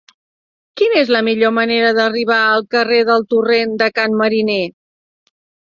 Quina és la millor manera d'arribar al carrer del Torrent de Can Mariner?